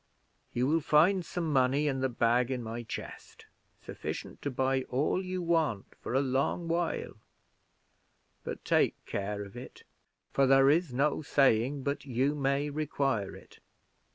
You will find some money in the bag in my chest, sufficient to buy all you want for a long while but take care of it; for there is no saying but you may require it.